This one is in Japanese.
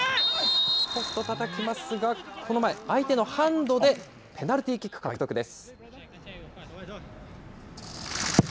ポストたたきますが、この前、相手のハンドでペナルティーキック獲得です。